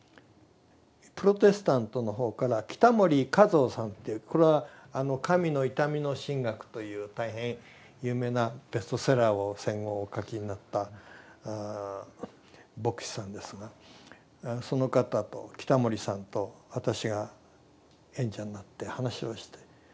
プロテスタントの方から北森嘉蔵さんというこれは「神の痛みの神学」という大変有名なベストセラーを戦後お書きになった牧師さんですがその方と北森さんと私が演者になって話をして。